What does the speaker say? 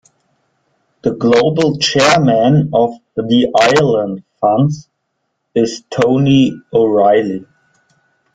The global chairman of The Ireland Funds is Tony O'Reilly.